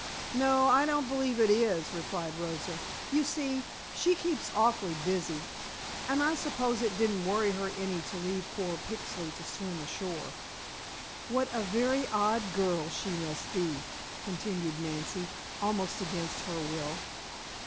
"No, I don't believe it is," replied Rosa. "You see, she keeps awfully busy, and I suppose it didn't worry her any to leave poor Pixley to swim ashore." "What a very odd girl she must be," continued Nancy, almost against her will.